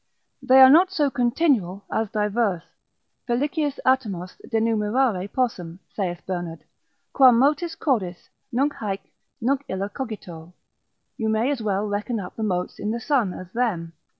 They are not so continual, as divers, felicius atomos denumerare possem, saith Bernard, quam motus cordis; nunc haec, nunc illa cogito, you may as well reckon up the motes in the sun as them.